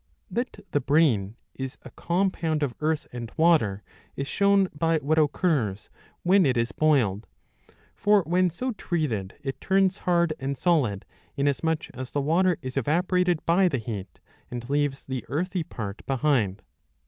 ^^ That the brain is a compound of earth and water ^^ is shown by what occurs when it is boiled. For, when so treated, it turns hard and solid, inasmuch as the water is evaporated by the heat, and leaves the earthy part behind.